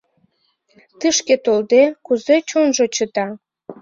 Тышке толде, кузе чонжо чыта?